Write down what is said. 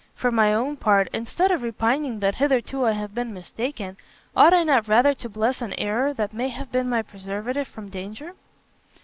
for my own part, instead of repining that hitherto I have been mistaken, ought I not rather to bless an error that may have been my preservative from danger?"